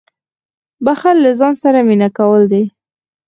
• بښل له ځان سره مینه کول دي.